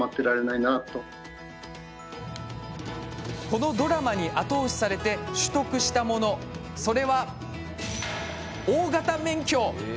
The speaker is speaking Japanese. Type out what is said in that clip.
このドラマに後押しされて取得したもの、それは大型免許！